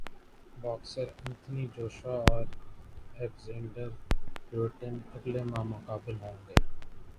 boxer Anthony Joshua اور Alexander Povetkin اگلے ماہ مقابل ہوں گے